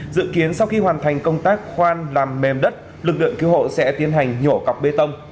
dự kiến sau khi hoàn thành công tác khoan làm mềm đất lực lượng cứu hộ sẽ tiến hành nhổ cọc bê tông